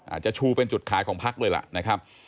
อาจจะชูเป็นจุดขายของพักเลยล่ะนะครับ